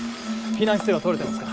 避難姿勢は取れてますか？